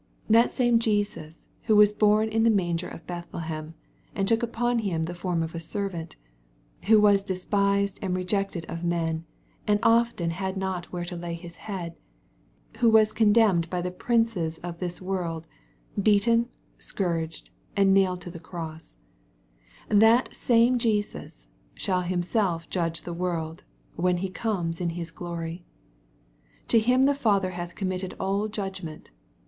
That same Jesus who was bom in the manger of Bethlehem, and took Upon Him the form of a servant, — who was despised and rejected of men, and often had not where to lay His head, — ^who was condemned by the princes of this world, beaten, scourged, and nailed to the cross, — ^that same Jesus shall Himself judge the world, when He comes in His glory. To Him the Father hath committed all judgment.